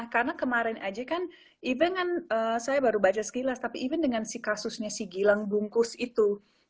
karena kemarin aja kan even kan saya baru baca sekilas tapi even dengan si kasusnya si gilang bungkus itu